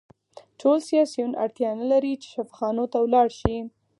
ټول سیاسیون اړتیا نلري چې شفاخانو ته لاړ شي